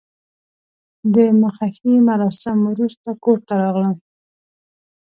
د مخه ښې مراسمو وروسته کور ته راغلم.